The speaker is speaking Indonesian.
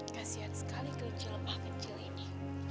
kasian sekali kecil kecil ini